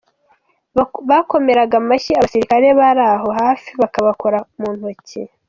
Bakomeraga amashyi abasirikare bari aho hafi bakabakora mu ntoki.